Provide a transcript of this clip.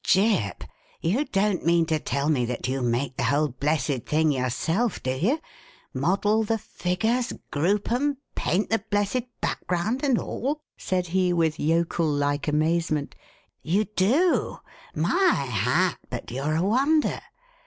"Jip! You don't mean to tell me that you make the whole blessed thing yourself, do you model the figures, group 'em, paint the blessed background, and all?" said he, with yokel like amazement. "You do? My hat! but you're a wonder!